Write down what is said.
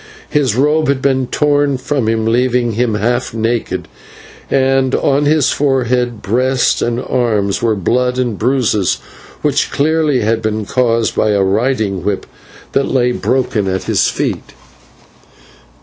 His robe had been torn from him, leaving him half naked, and on his forehead, breast, and arms were blood and bruises which clearly had been caused by a riding whip that lay broken at his feet.